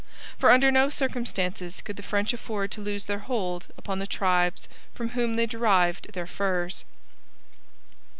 For under no circumstances could the French afford to lose their hold upon the tribes from whom they derived their furs.